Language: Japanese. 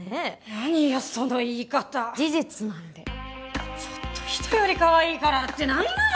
何よその言い方事実なんでちょっと人よりカワイイからって何なの！